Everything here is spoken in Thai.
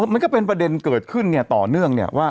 มันก็เป็นประเด็นเกิดขึ้นต่อเนื่อง